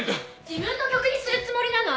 自分の曲にするつもりなの？